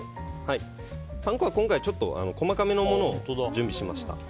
パン粉は今回ちょっと細かめのものを準備しました。